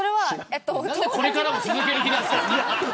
何でこれからも続ける気なんですか。